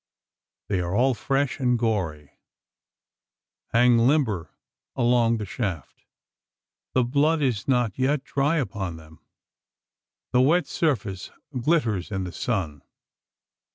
They are all fresh and gory hang limber along the shaft. The blood is not yet dry upon them the wet surface glitters in the sun!